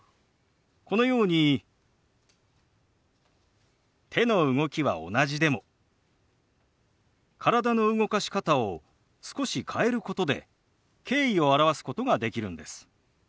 このように手の動きは同じでも体の動かし方を少し変えることで敬意を表すことができるんです。